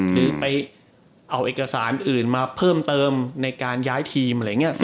หรือไปเอาเอกสารอื่นมาเพิ่มเติมในการย้ายทีม